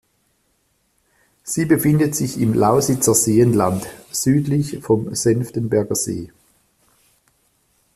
Sie befindet sich im Lausitzer Seenland, südlich vom Senftenberger See.